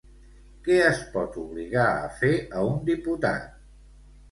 Què es pot obligar a fer a un diputat?